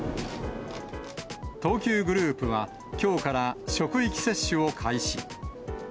東急グループは、きょうから職域接種を開始。